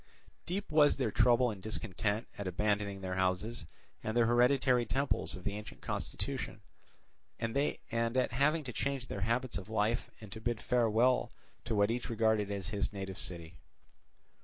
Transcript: Deep was their trouble and discontent at abandoning their houses and the hereditary temples of the ancient constitution, and at having to change their habits of life and to bid farewell to what each regarded as his native city.